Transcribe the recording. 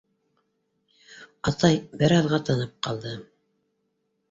— Атай бер аҙға тынып ҡалды.